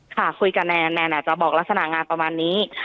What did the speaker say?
ค่ะคุยกับแนนแนนอาจจะบอกลักษณะงานประมาณนี้